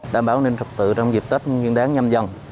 đảm bảo an ninh trọc tự trong dịp tết nguyên đáng nhâm dần